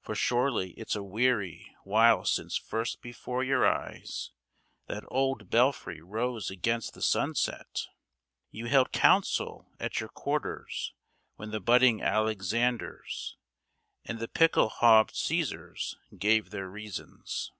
For surely it's a weary while since first before your eyes That old Belfry rose against the sunset. You held council at your quarters when the budding Alexanders And the Pickel haubed Cæsars gave their reasons.